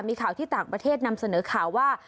มีข่าวที่ต่างประเทศนำเสนอข่าวว่า